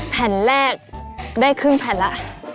แผ่นแรกได้ครึ่งแผ่นละ